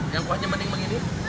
yang kuatnya mending begini